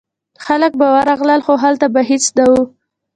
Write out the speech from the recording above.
خلک به ورغلل خو هلته به هیڅ نه و.